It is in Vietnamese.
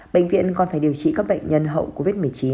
bệnh viện còn phải điều trị các bệnh nhân hậu covid một mươi chín